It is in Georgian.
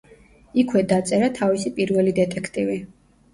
იქვე დაწერა თავისი პირველი დეტექტივი.